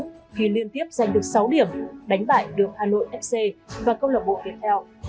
khi liên tiếp giành được sáu điểm đánh bại được hà nội fc và công an hà nội tiếp theo